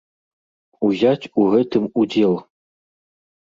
Узяць у гэтым удзел.